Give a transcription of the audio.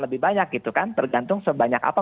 lebih banyak gitu kan tergantung sebanyak apa